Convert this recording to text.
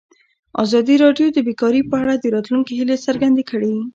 ازادي راډیو د بیکاري په اړه د راتلونکي هیلې څرګندې کړې.